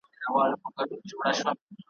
هم بادار هم خریدار ته نازنینه `